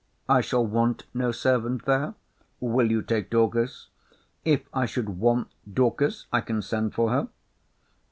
I shall want no servant there. Will you take Dorcas? If I should want Dorcas, I can send for her.